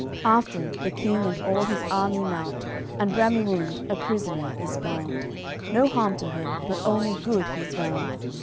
After, the King and all his army mount, And Bramimunde a prisoner is bound, No harm to her, but only good he's vowed.